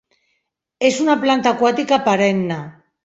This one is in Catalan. És una planta aquàtica perenne.